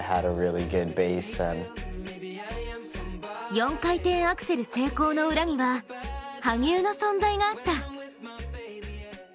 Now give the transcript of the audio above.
４回転アクセル成功の裏には羽生の存在があった。